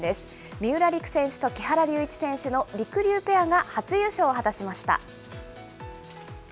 三浦璃来選手と木原龍一選手のりくりゅうペアが初優勝を果たしました。